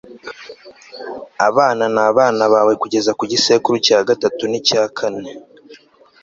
abana n'abana bawe kugeza ku gisekuru cya gatatu n'icya kane